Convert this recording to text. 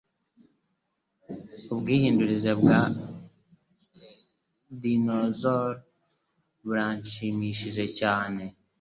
Ubwihindurize bwa dinosaurs buranshimishije cyane.